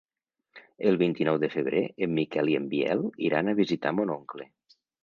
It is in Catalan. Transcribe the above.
El vint-i-nou de febrer en Miquel i en Biel iran a visitar mon oncle.